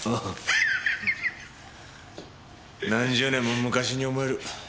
何十年も昔に思える。